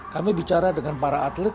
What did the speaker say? kami bicara dengan para atlet